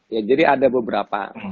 ya jadi ada beberapa